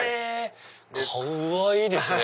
かわいいですね！